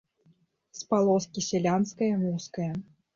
З палоскі сялянскае, вузкае.